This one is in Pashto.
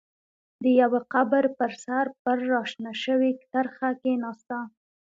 د يوه قبر پر سر پر را شنه شوې ترخه کېناسته.